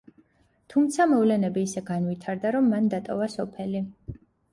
თუმცა მოვლენები ისე განვითარდა, რომ მან დატოვა სოფელი.